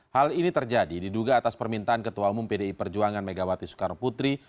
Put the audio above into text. hal ini terjadi diduga atas permintaan ketua umum pdi perjuangan megawati soekarno putri